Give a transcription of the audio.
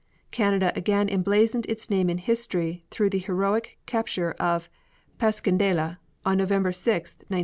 Canada again emblazoned its name in history through the heroic capture of Passchendaele on November 6, 1917.